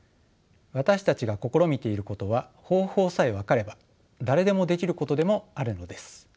私たちが試みていることは方法さえ分かれば誰でもできることでもあるのです。